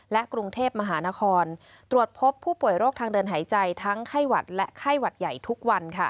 กรุงเทพมหานครตรวจพบผู้ป่วยโรคทางเดินหายใจทั้งไข้หวัดและไข้หวัดใหญ่ทุกวัน